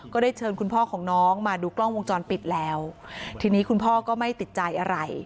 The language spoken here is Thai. ได้เชิญคุณพ่อของน้องมาดูกล้องวงจรปิดแล้วทีนี้คุณพ่อก็ไม่ติดใจอะไร